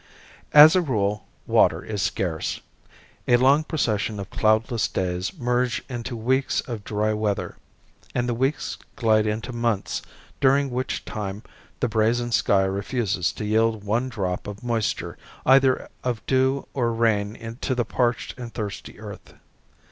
As a rule water is scarce. A long procession of cloudless days merge into weeks of dry weather; and the weeks glide into months during which time the brazen sky refuses to yield one drop of moisture either of dew or rain to the parched and thirsty earth.